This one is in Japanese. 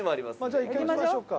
じゃあ一回行きましょうか。